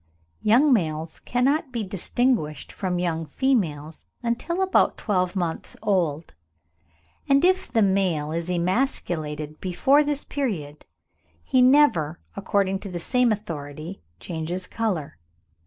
Young males cannot be distinguished from young females until about twelve months old; and if the male is emasculated before this period, he never, according to the same authority, changes colour.